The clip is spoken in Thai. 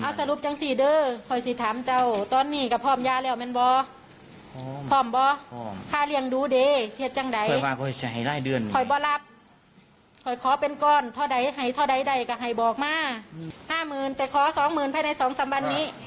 ขอเป็นก้อนเท่าไหร่ให้เท่าไหร่ได้ก็ให้บอกมา๕หมื่นแต่ขอ๒หมื่นภายใน๒๓วันนี้